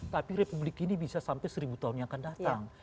tapi republik ini bisa sampai seribu tahun yang akan datang